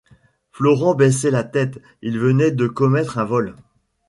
Florent baissait la tête, il venait de commettre un vol.